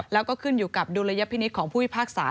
แล้วก็ขึ้นอยู่กับดิวละยภินิทของผู้วิภาคศา